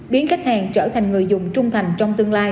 biến khách hàng trở thành người dùng trung thành trong tương lai